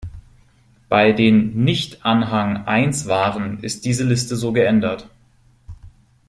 Bei den Nicht-Anhang I-Waren ist diese Liste so geändert.